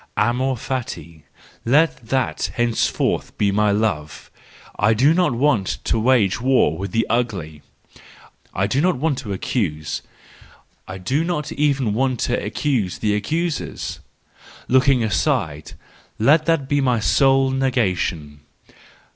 Amor fati: let that henceforth be my love! I do not want to wage war with the ugly. I do not want to accuse, I do not want even to accuse the accusers. Looking aside> let that be my sole negation!